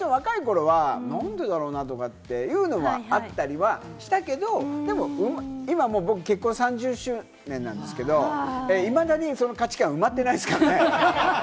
最初、若い頃はなんでだろうなとかというのはあったりはしたけれども、でも、今も僕、結婚３０周年なんですけれども、いまだにその価値観、埋まってないですからね。